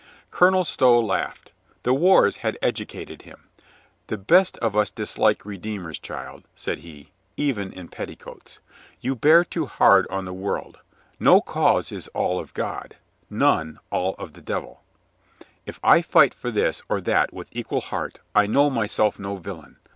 Colonel Stow laughed. The wars had educated 32 COLONEL GREATHEART him. "The best of us dislike redeemers, child," said he, "even in petticoats. You bear too hard on the world. No cause is all of God, none all of the devil. If I fight for this or that with equal heart, I know myself no villain.